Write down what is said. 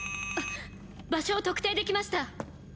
場所を特定できました